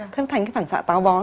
thế nó thành cái phản xạ táo bón